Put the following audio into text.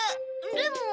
でも。